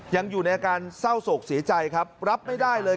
ยังอยู่ในอาการเศร้าโศกเสียใจครับรับไม่ได้เลย